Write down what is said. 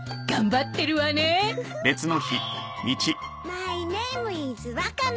マイネームイズワカメ。